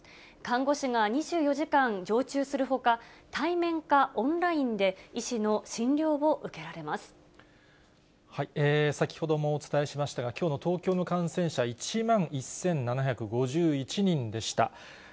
看護師が２４時間常駐するほか、対面かオンラインで、先ほどもお伝えしましたが、きょうの東京の感染者１万１７５１人でした。